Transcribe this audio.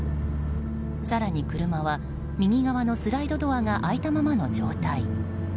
更に車は、右側のスライドドアが開いたままの状態。